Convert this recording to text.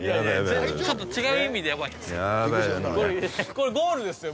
これゴールですよ